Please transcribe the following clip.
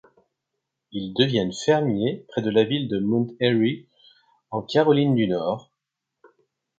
Ils deviennent fermiers près de la ville de Mount Airy en Caroline du nord.